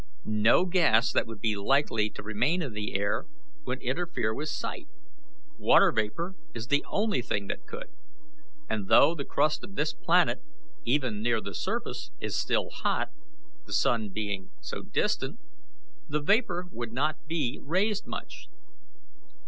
No gas that would be likely to remain in the air would interfere with sight; water vapour is the only thing that could; and though the crust of this planet, even near the surface, is still hot, the sun being so distant, the vapour would not be, raised much.